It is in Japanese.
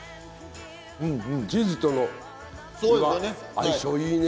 チーズとのびわ相性いいね！